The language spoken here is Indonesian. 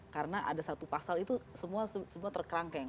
karena ada satu pasal itu semua terkerangkeng